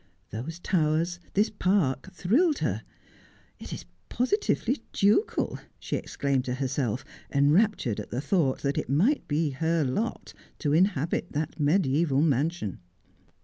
Those towers, this park, thrilled her. ' It is positively ducal !' she exclaimed to herself, enraptured at the thought that it might be her lot to inhabit that mediaeval mansion.